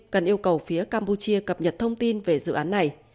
cần yêu cầu phía campuchia cập nhật thông tin về dự án này